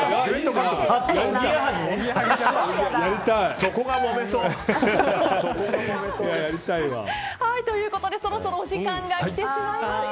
そこがもめそう！ということでそろそろお時間が来てしまいました。